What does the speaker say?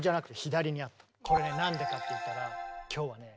これね何でかっていったら今日はね